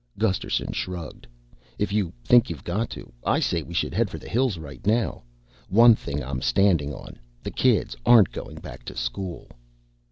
Gusterson shrugged. "If you think you've got to. I say we should head for the hills right now. One thing I'm standing on: the kids aren't going back to school."